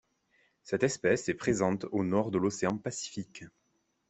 Cette espèce est présente au nord de l'océan Pacifique.